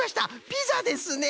ピザですね！